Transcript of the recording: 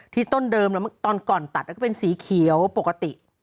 ต้นเดิมแล้วตอนก่อนตัดก็เป็นสีเขียวปกติ